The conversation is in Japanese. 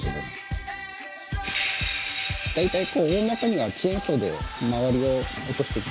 大体大まかにはチェーンソーで周りを落としていきます。